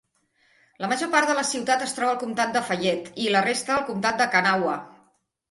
La major part de la ciutat es troba al comtat de Fayette, i la resta al comtat de Kanawha.